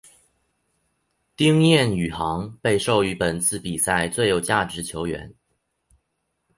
丁彦雨航被授予本次比赛最有价值球员。